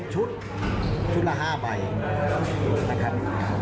ชุดชุดละ๕ใบนะครับ